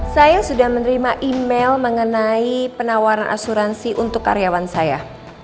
saya sudah menerima email mengenai penawaran asuransi untuk karyawan saya